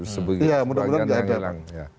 sebagian yang hilang